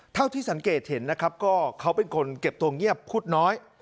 เท่าที่สังเกตเห็นนะครับก็เขาเป็นคนเก็บตัวเงียบพูดน้อย